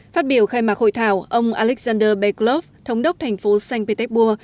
phát biểu khai mạc hội thảo ông alexander beglov thống đốc thành phố sanh pê téc bua